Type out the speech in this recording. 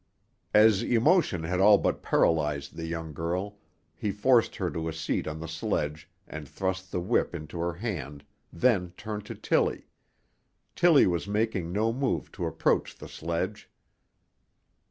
As emotion had all but paralysed the young girl he forced her to a seat on the sledge and thrust the whip into her hand, then turned to Tillie. Tillie was making no move to approach the sledge.